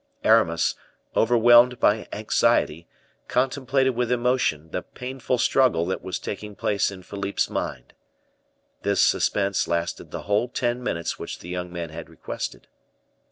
Aramis, overwhelmed by anxiety, contemplated with emotion the painful struggle that was taking place in Philippe's mind. This suspense lasted the whole ten minutes which the young man had requested.